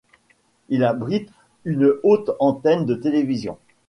Il abrite une haute antenne de télévision.